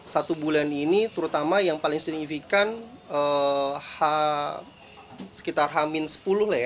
satu bulan ini terutama yang paling signifikan sekitar hamin sepuluh lah ya